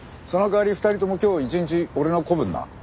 その代わり２人とも今日一日俺の子分な。